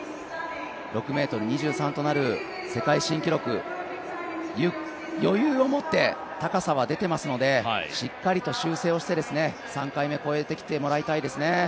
６ｍ２３となる世界新記録、余裕を持って、高さは出ていますので、しっかりと修正をして３回目越えてきてもらいたいですね。